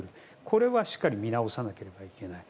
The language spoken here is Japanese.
これはしっかり見直さなければいけない。